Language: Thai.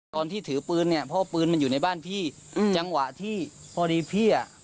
ตอนที่ถือปืนเนี่ยเพราะว่าปืนมันอยู่ในบ้านพี่อืมจังหวะที่พอดีพี่อ่ะ